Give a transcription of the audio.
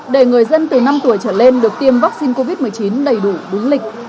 để người dân từ năm tuổi trở lên được tiêm vaccine covid một mươi chín đầy đủ đúng lịch